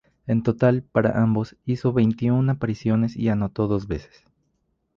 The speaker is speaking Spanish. En total, para ambos, hizo veintiún apariciones y anotó dos veces.